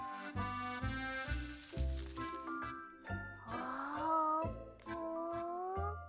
あーぷん？